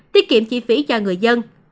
tiết kiệm chi phí cho người dân